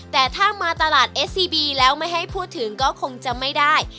แต่ถ้ามาตลาดเอสซีบีแล้วไม่ให้พูดถึงก็คงจะไม่ได้